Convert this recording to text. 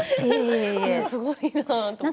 すごいな。